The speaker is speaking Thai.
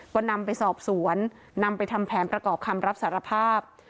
ก็นำไปสอบสวนนำไปทำแผนประกอบคำรับสารภาพ